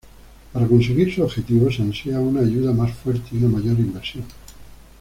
Para conseguir su objetivo se ansia una ayuda más fuerte y una mayor inversión.